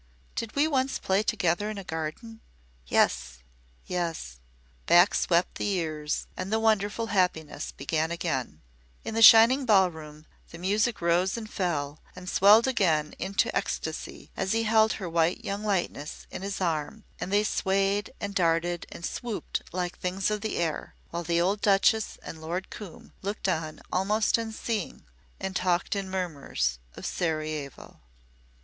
"Did we once play together in a garden?" "Yes yes." Back swept the years, and the wonderful happiness began again. In the shining ballroom the music rose and fell and swelled again into ecstasy as he held her white young lightness in his arm and they swayed and darted and swooped like things of the air while the old Duchess and Lord Coombe looked on almost unseeing and talked in murmurs of Sarajevo.